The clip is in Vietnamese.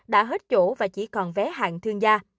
đã hết chỗ và chỉ còn vé hạng thương gia